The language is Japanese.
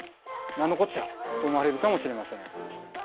何のこっちゃ？と思われるかもしれません。